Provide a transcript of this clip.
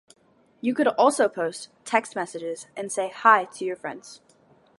You could also post "text messages" and say "hi" to your friends.